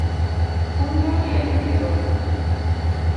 Un nyodi adi e odu?